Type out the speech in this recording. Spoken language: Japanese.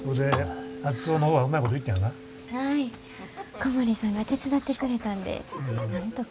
小森さんが手伝ってくれたんでなんとか。